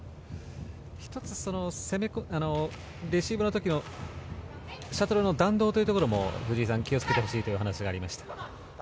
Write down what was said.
１つ、レシーブの時のシャトルの弾道というところも藤井さん気をつけてほしいという話がありました。